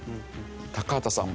高畑さん